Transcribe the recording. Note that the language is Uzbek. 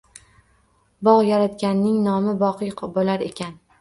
Bog` yaratganning nomi boqiy bo`lar ekan